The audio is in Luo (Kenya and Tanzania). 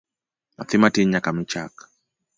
Nyathi matin nyaka mii chak